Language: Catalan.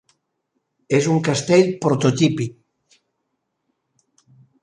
És un castell prototípic.